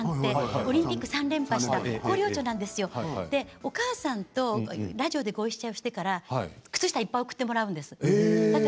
オリンピック３連覇した広陵町なんですよ、お母さんとラジオでごいっしょしてから靴下をいっぱい送ってもらうんです。